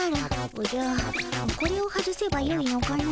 おじゃこれを外せばよいのかの？